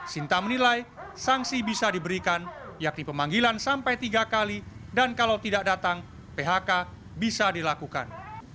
sinta menilai sanksi bisa diberikan yakni pemanggilan sampai tiga kali dan kalau tidak datang phk bisa dilakukan